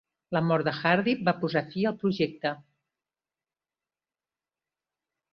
La mort de Hardy va posar fi al projecte.